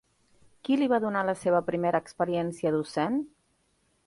Qui li va donar la seva primera experiència docent?